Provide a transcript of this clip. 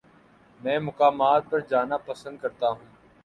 نئے مقامات پر جانا پسند کرتا ہوں